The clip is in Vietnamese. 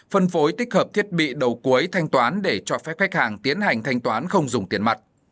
phân phối tích hợp thiết bị đầu cuối thanh toán để cho phép khách hàng tiến hành thanh toán không dùng tiền mặt